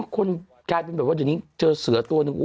คุณกาลมีแบบว่าเดี๋ยวนี้เจอเสือตัวนึง